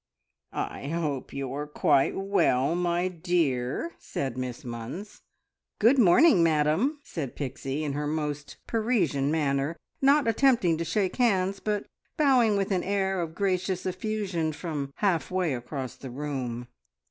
"I hope you are quite well, my dear," said Miss Munns. "Good morning, madame!" said Pixie in her most Parisian manner, not attempting to shake hands, but bowing with an air of gracious effusion from half way across the room.